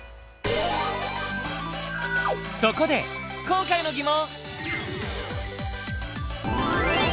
そこで今回の疑問！